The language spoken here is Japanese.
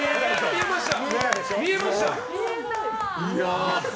見えました！